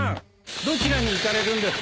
どちらに行かれるんですか？